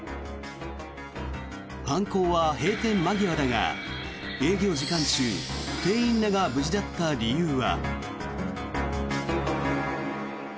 犯行は閉店間際だが営業時間中店員らが無事だった理由は。